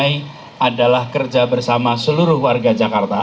yang kedua kepada seluruh masyarakat jakarta